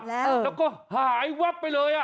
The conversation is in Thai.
แล้วก็หายวับไปเลย